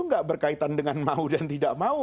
nggak berkaitan dengan mau dan tidak mau